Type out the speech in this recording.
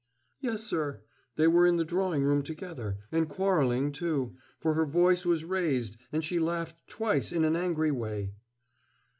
"Yes, sir. They were in the drawing room together; and quarreling, too, for her voice was raised, and she laughed twice in an angry way."